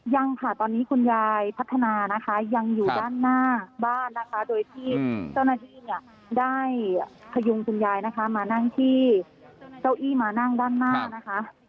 ยังค่ะตอนนี้คุณยายพัฒนานะคะยังอยู่ด้านหน้าบ้านนะคะโดยที่เจ้าหน้าที่เนี่ยได้พยุงคุณยายนะคะมานั่งที่เก้าอี้มานั่งด้านหน้านะคะ